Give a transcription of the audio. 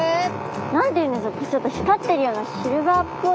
何て言うんでしょうちょっと光っているようなシルバーっぽい。